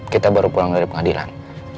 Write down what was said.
kita baru pulang dari pengadilan